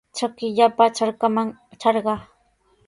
Trakillapa trakraman trarqaa.